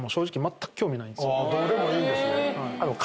どうでもいいんですね。